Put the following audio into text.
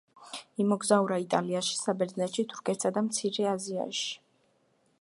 იმოგზაურა იტალიაში, საბერძნეთში, თურქეთსა და მცირე აზიაში.